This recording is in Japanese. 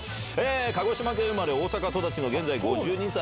鹿児島県生まれ、大阪育ちの現在、５２歳。